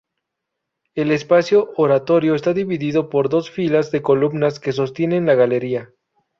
El espacio oratorio está dividido por dos filas de columnas que sostienen la galería.